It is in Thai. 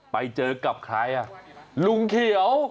ไปเจอกับใครอ่ะลุงเขียว